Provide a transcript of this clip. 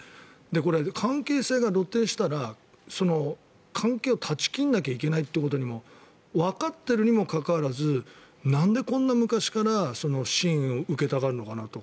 これ、関係性が露呈したら関係を断ち切らなきゃいけないということをわかっているにもかかわらずなんでこんな昔から支援を受けたがるのかなと。